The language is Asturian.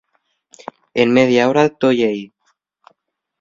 En media hora toi ehí.